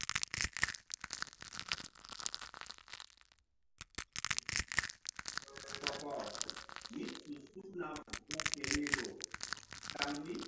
Ɗeŋ ngerzah ɓáƴo ziŋ mú gun gel tehnari gi kona guri.